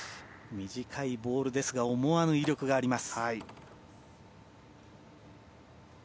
短いボールですが思わぬ威力があります。